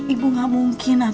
ibu gak mungkin